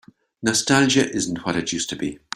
Nostalgia isn't what it used to be.